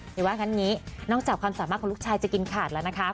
เดี๋ยวว่างั้นงี้นอกจากความสามารถของลูกชายจะกินขาดแล้วนะคะ